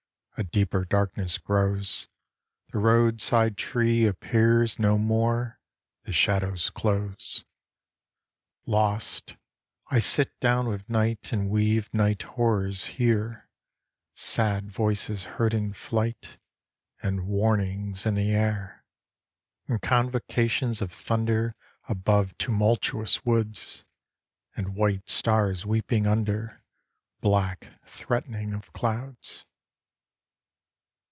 A deeper darkness grows; The road side tree appears No more; the shadows close. Lost, I sit down with night And weave night horrors here— Sad voices heard in flight, And warnings in the air, And convocations of thunder Above tumultuous woods, And white stars weeping under Black threatening of clouds.